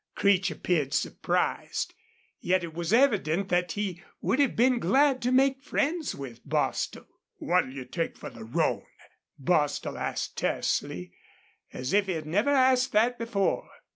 Creech appeared surprised, yet it was evident that he would have been glad to make friends with Bostil. "What'll you take for the roan?" Bostil asked, tersely,' as if he had never asked that before.